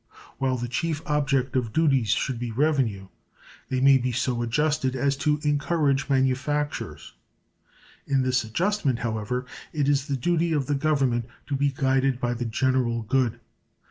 While the chief object of duties should be revenue, they may be so adjusted as to encourage manufactures. In this adjustment, however, it is the duty of the Government to be guided by the general good.